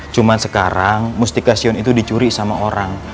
cuma sekarang mustika sion itu dicuri sama orang